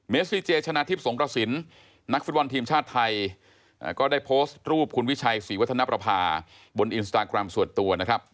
ซีเจชนะทิพย์สงกระสินนักฟุตบอลทีมชาติไทยก็ได้โพสต์รูปคุณวิชัยศรีวัฒนประพาบนอินสตาแกรมส่วนตัวนะครับ